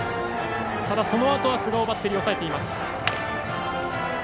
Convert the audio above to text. そのあとは菅生バッテリー抑えています。